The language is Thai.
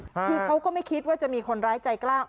คือเขาก็ไม่คิดว่าจะมีคนร้ายใจกล้า